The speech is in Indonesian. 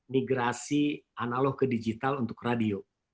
migrasi analog ke digital untuk radio